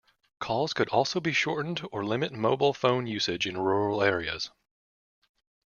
Calls could also be shortened or limit mobile phone usage in rural areas.